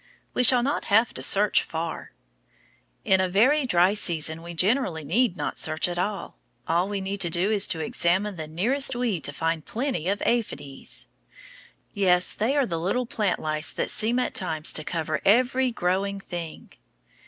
We shall not have to search far. In a very dry season we generally need not search at all. All we need do is to examine the nearest weed to find plenty of aphides. Yes, they are the little plant lice that seem at times to cover every growing thing.